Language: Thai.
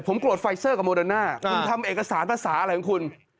ผมโกรธไฟเซอร์กับโมเดิร์น่าคุณทำเอกสารภาษาอะไรของคุณ